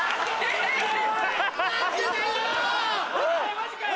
マジかよ！